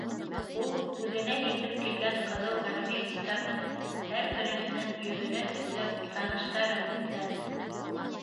Ул, үҙенә етеп килгән ҡыҙыл армеецтарҙың һәр береһенең йөҙөнә текләп, таныштарын эҙләне.